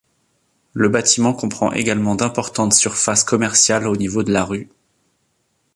Le bâtiment comprend également d'importantes surfaces commerciales au niveau de la rue.